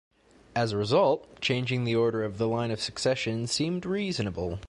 As a result, changing the order of the line of succession seemed reasonable.